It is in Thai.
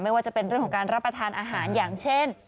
ว่าจะเป็นเรื่องของการรับประทานอาหารอย่างเช่น